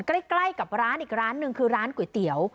ใกล้กับร้านอีกร้านหนึ่งคือร้านก๋วยเตี๋ยว